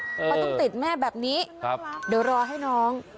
เขาต้องติดแม่แบบนี้เดี๋ยวรอให้น้อง